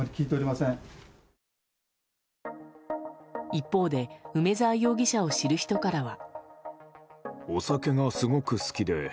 一方で、梅沢容疑者を知る人からは。